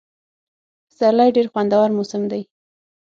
پسرلی ډېر خوندور موسم دی.